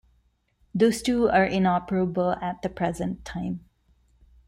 Those two are inoperable at the present time.